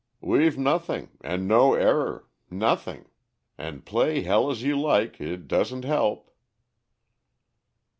"We've nothing, and no error, nothing; and play hell as you like, it doesn't help."